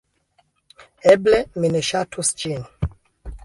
Eble, mi ne ŝatus ĝin